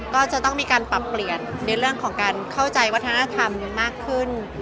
ก็จะต้องมีการปรับเปลี่ยนในเรื่องของการเข้าใจวัฒนธรรมมากขึ้น